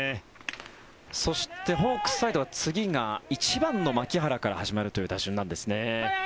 そして、ホークスサイドは次が１番の牧原から始まるという打順なんですね。